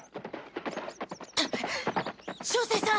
照星さん